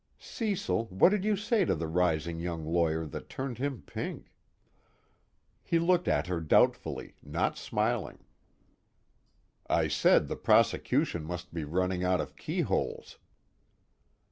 _ "Cecil, what did you say to the rising young lawyer that turned him pink?" He looked at her doubtfully, not smiling. "I said the prosecution must be running out of keyholes."